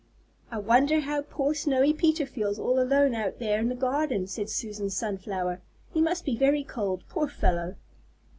"I wonder how poor Snowy Peter feels all alone out there in the garden," said Susan Sunflower. "He must be very cold, poor fellow!"